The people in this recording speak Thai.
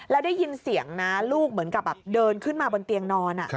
แล้วได้ยินเสียงนะลูกเหมือนกับแบบเดินขึ้นมาบนเตียงนอน